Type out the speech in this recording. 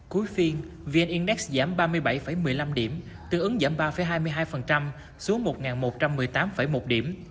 cuối phiên vn index giảm ba mươi bảy một mươi năm điểm tư ứng giảm ba hai mươi hai xuống một một trăm một mươi tám một điểm